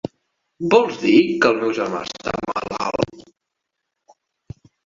Vols dir que el meu germà està malalt?